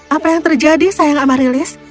apa yang terjadi sayang amarilis